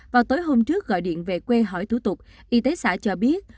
vào tối hôm trước gọi điện về quê hỏi thủ tục y tế xã cho biết